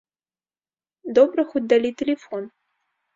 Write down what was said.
Добра хоць далі тэлефон.